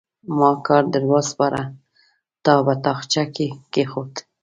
ما کار در وسپاره؛ تا په تاخچه کې کېښود.